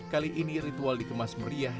kali ini ritual dikemas meriah